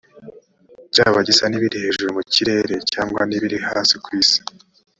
cyaba gisa n’ibiri hejuru mu kirere cyangwa n’ibiri hasi ku isi,